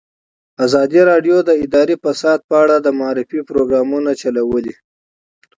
ازادي راډیو د اداري فساد په اړه د معارفې پروګرامونه چلولي.